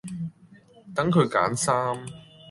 等佢揀衫